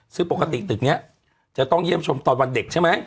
ซึ่งปกติตึกนี้จะต้องเยี่ยมชมตอนวันเด็กใช่ไหม